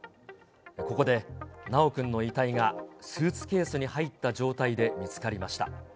ここで、修くんの遺体がスーツケースに入った状態で見つかりました。